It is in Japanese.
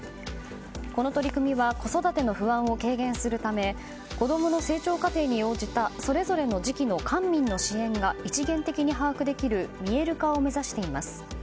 この取り組みは子育ての不安を軽減するため子供の成長過程に応じたそれぞれの時期の官民の支援が一元的に把握できる見える化を目指しています。